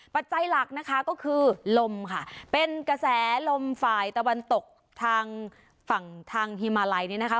ปัจจัยหลักนะคะก็คือลมค่ะเป็นกระแสลมฝ่ายตะวันตกทางฝั่งทางฮิมาลัยเนี่ยนะคะ